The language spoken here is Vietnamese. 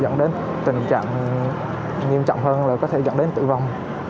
dẫn đến tình trạng nghiêm trọng hơn là có thể dẫn đến tử vong